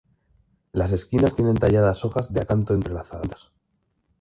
Las esquinas tienen talladas hojas de acanto entrelazadas.